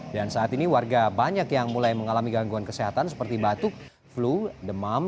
dan saat ini warga banyak yang mulai mengalami gangguan kesehatan seperti batuk flu demam